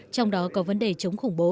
trong đó có vấn đề chống khủng bố